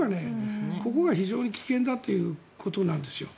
ここが非常に危険だということなんですよ。